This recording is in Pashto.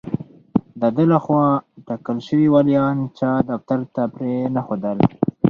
د ده له خوا ټاکل شوي والیان چا دفتر ته پرې نه ښودل.